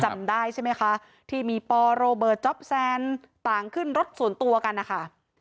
จำได้ใช่ไหมคะที่มีปอโรเบิร์ตจ๊อปแซนต่างขึ้นรถส่วนตัวกันนะคะ